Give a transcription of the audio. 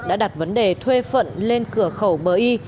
đã đặt vấn đề thuê phận lên cửa khẩu bờ y